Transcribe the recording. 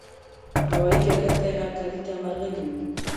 هوايي ډګر ته یې هرکلي ته ورغلي وو.